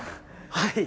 はい。